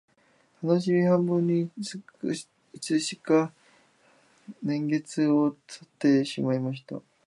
たのしみ半分にいつしか歳月を経てしまいました